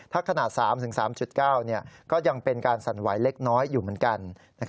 ถ้าขนาด๓๓๙ก็ยังเป็นการสั่นไหวเล็กน้อยอยู่เหมือนกัน